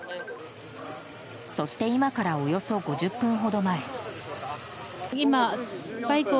そして今からおよそ５０分ほど前。